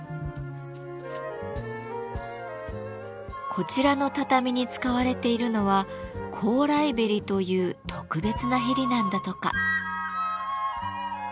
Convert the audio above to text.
こちらの畳に使われているのは「高麗縁」という特別なへりなんだとか。